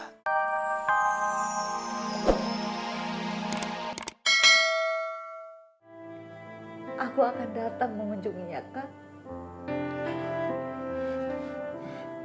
aku akan datang mengunjunginya kak